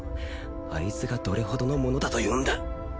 あいつがどれほどの者だというんだ